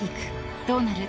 ［どうなる？